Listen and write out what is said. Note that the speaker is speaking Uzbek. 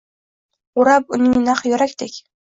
O’rab uning naq yurakdek